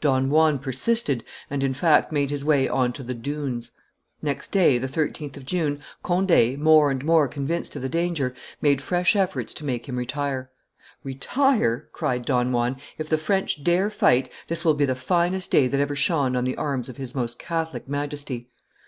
Don Juan persisted, and, in fact, made his way on to the 'dunes.' Next day, the 13th of June, Conde, more and more convinced of the danger, made fresh efforts to make him retire. 'Retire!' cried Don Juan: 'if the French dare fight, this will be the finest day that ever shone on the arms of His Most Catholic Majesty.